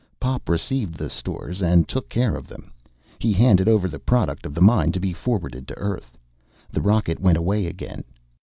Pop received the stores and took care of them. He handed over the product of the mine, to be forwarded to Earth. The rocket went away again.